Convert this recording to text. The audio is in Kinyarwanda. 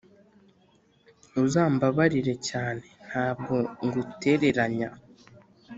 uzambabarire cyane ntabwo ngutereranya